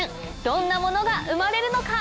どんなものが生まれるのか？